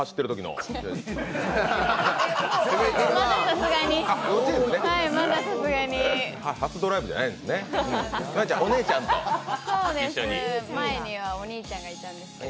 そうです、前にはお兄ちゃんがいたんですけど。